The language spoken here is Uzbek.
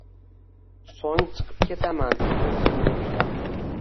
So’ng, chiqib ketaman, ko’ksimni ushlab